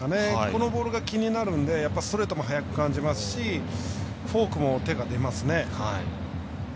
このボールが気になるんでストレートも速く感じますしフォークも手が出ますね。